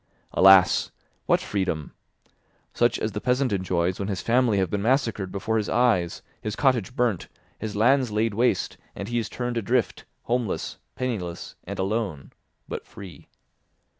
Alas! What freedom? Such as the peasant enjoys when his family have been massacred before his eyes, his cottage burnt, his lands laid waste, and he is turned adrift, homeless, penniless, and alone, but free.